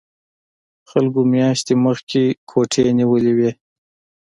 خلکو میاشتې مخکې کوټې نیولې وي